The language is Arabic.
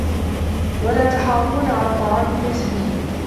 وَلَا تَحَاضُّونَ عَلَىٰ طَعَامِ الْمِسْكِينِ